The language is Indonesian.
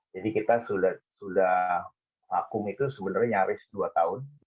jadi kita sudah vakum itu sebenarnya nyaris dua tahun